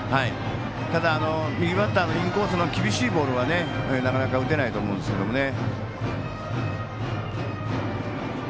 ただ、右バッターのインコースの厳しいボールはなかなか打てないと思うんですけどね。